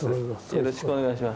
よろしくお願いします。